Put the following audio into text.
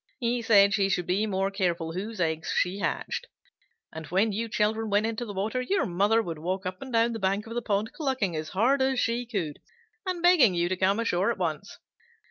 He said she should be more careful whose eggs she hatched. And when you children went into the water, your mother would walk up and down the bank of the pond, clucking as hard as she could, and begging you to come ashore at once.